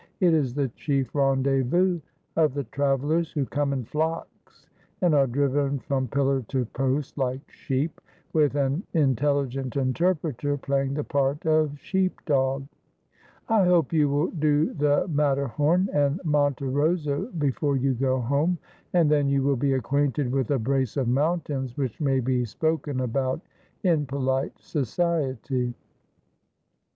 It is the chief rendezvous of the travellers who come in flocks, and are driven from pillar to post like sheep, with an intelligent interpreter playing the part of sheep dog. I hope you will do the Matter horn and Monte Rosa before you go home ; and then you will be acquainted with a brace of mountains which may be spoken about in polite society.'